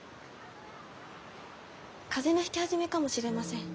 風邪のひき始めかもしれません。